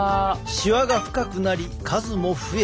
しわが深くなり数も増えた。